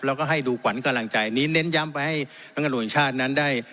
แล้วก็ให้ดูขวัญกำลังใจนี้เน้นย้ำไปให้นักตำรวจแห่งชาตินั้นได้